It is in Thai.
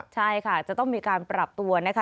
ใช่ค่ะจะต้องมีการปรับตัวนะคะ